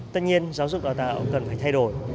tất nhiên giáo dục đào tạo cần phải thay đổi